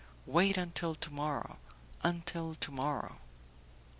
wait until to morrow until to morrow!"